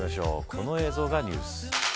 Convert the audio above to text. この映像がニュース。